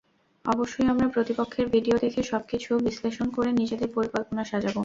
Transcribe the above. অবশ্যই আমরা প্রতিপক্ষের ভিডিও দেখে সবকিছু বিশ্লেষণ করে নিজেদের পরিকল্পনা সাজাব।